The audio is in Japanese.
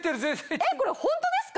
えっこれホントですか？